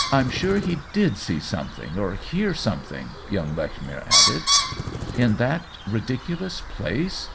— I'm sure he did see some thing or hear something," young Lechmere added. " In that ridiculous place